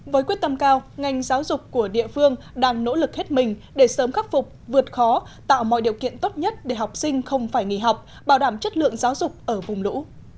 với quyết tâm cao ngành giáo dục của địa phương đang nỗ lực hết mình để sớm khắc phục vượt khó tạo mọi điều kiện tốt nhất để học sinh không phải nghỉ học bảo đảm chất lượng giáo dục ở vùng lũ